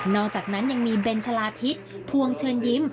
อกจากนั้นยังมีเบนชะลาทิศพวงเชิญยิ้ม